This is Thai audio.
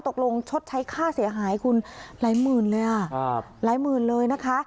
ชดใช้ค่าเสียหายคุณหลายหมื่นเลยอ่ะหลายหมื่นเลยนะคะ